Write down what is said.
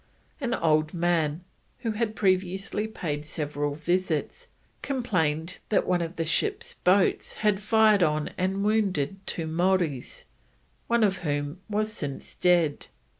An old man, who had previously paid several visits, complained that one of the ships boats had fired on and wounded two Maoris, one of whom was since dead.